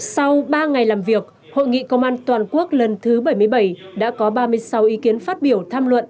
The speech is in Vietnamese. sau ba ngày làm việc hội nghị công an toàn quốc lần thứ bảy mươi bảy đã có ba mươi sáu ý kiến phát biểu tham luận